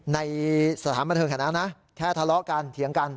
ในสถานบันเทิงแถวนั้นนะแค่ทะเลาะกันเถียงกัน